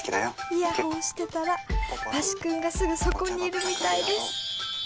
「イヤホンしてたらバシ君がすぐそこにいるみたいです」。